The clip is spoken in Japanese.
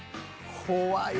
怖い。